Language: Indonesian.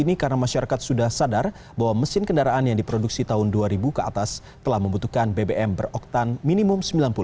ini karena masyarakat sudah sadar bahwa mesin kendaraan yang diproduksi tahun dua ribu ke atas telah membutuhkan bbm beroktan minimum sembilan puluh